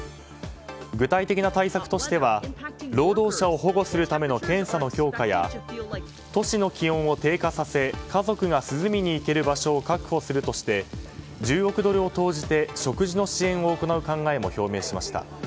具体的な対策としては労働者を保護するための検査の強化や都市の気温を低下させ家族が涼みに行ける場所を確保するとして１０億ドルを投じて植樹の支援を行う考えを表明しました。